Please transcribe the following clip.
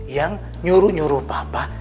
yang nyuruh nyuruh papa